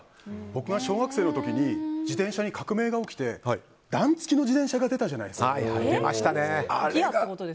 僕が小学生の時に自転車に革命が起きて段付きの自転車が出たじゃないですか。